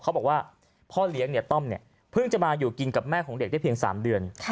เขาบอกว่าพ่อเลี้ยงเนี่ยต้อมเนี่ยเพิ่งจะมาอยู่กินกับแม่ของเด็กได้เพียง๓เดือน